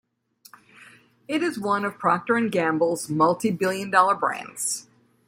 It is one of Procter and Gamble's multibillion-dollar brands.